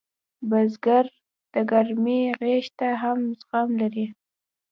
بزګر د ګرمۍ غېږ ته هم زغم لري